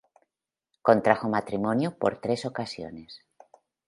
Contrajo matrimonio por tres ocasiones.